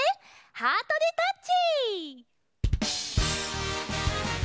「ハートでタッチ」！